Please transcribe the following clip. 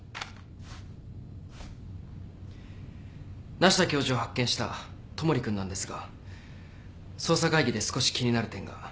梨多教授を発見した戸守君なんですが捜査会議で少し気になる点が。